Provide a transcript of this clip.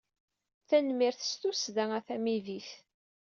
Tanemmirt s tussda a tamidit.